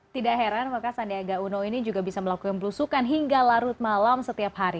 tidak heran maka sandiaga uno ini juga bisa melakukan belusukan hingga larut malam setiap hari